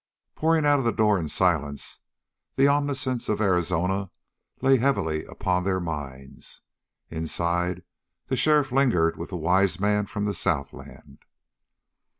Pouring out of the door in silence, the omniscience of Arizona lay heavily upon their minds. Inside, the sheriff lingered with the wise man from the southland.